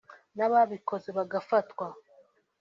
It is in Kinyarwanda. n’ababikoze bagafatwa